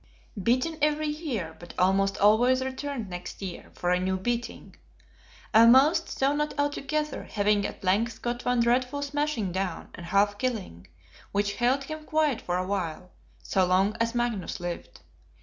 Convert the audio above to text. Beaten every year; but almost always returned next year, for a new beating, almost, though not altogether; having at length got one dreadful smashing down and half killing, which held him quiet for a while, so long as Magnus lived.